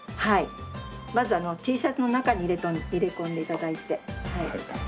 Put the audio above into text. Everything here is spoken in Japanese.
まずＴシャツの中に入れ込んで頂いて。